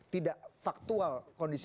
tidak faktual kondisi